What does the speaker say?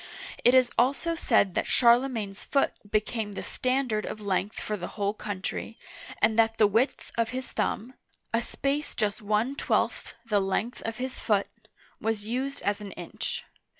It is also said that Charlemagne's foot became the standard of length for the whole country, and that the width of his thumb — a space just one twelfth the length of his foot — was used as an inch.